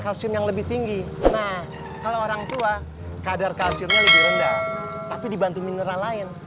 kalsium yang lebih tinggi nah kalau orang tua kadar kalsiumnya lebih rendah tapi dibantu mineral lain